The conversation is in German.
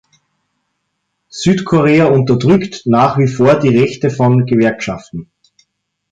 Südkorea unterdrückt nach wie vor die Rechte von Gewerkschaften.